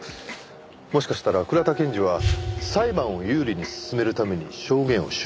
もしかしたら倉田検事は裁判を有利に進めるために証言を修正した。